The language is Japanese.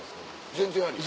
全然あり。